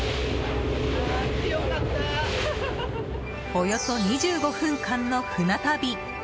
およそ２５分間の船旅！